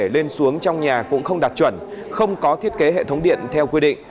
cơ quan chuyên môn xuống trong nhà cũng không đạt chuẩn không có thiết kế hệ thống điện theo quy định